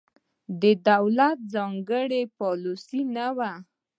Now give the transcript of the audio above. د دولت ځانګړې پالیسي نه وي.